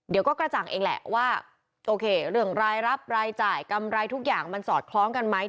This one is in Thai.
เดี๋ยวก็กระจ่างเองแหละว่าโอเคเรื่องรายรับรายจ่ายกำไรทุกอย่างมันสอดคล้องกันไหม